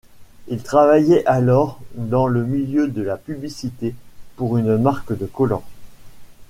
Il travaillait alors dans le milieu de la publicité pour une marque de collants.